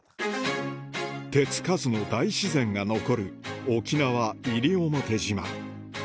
手つかずの大自然が残る沖縄西表島